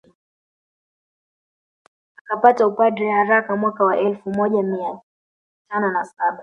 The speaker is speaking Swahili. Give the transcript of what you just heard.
Akapata upadre haraka mwaka wa elfu moja mia tano na saba